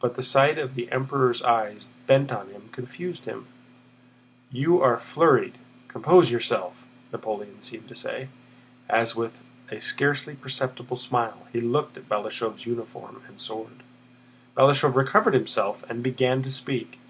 but the sight of the Emperor's eyes bent on him confused him. "You are flurried—compose yourself!" Napoleon seemed to say, as with a scarcely perceptible smile he looked at Balashëv's uniform and sword. Balashëv recovered himself and began to speak.